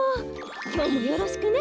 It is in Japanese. きょうもよろしくね。